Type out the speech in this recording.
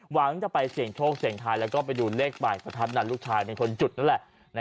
หวังจะไปเสี่ยงโชคเสียงทายแล้วก็ไปดูเลขปลายประทัดนั้นลูกชายเป็นคนจุดนั่นแหละ